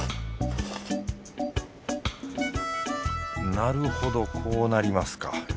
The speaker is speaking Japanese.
なるほどこうなりますか。